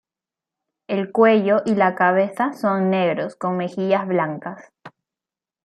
El cuello y la cabeza son negros, con mejillas blancas.